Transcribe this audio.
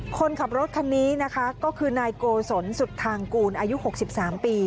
คนขับรถคันนี้นะคะก็คือนายโกศลสุดทางกูลอายุ๖๓ปี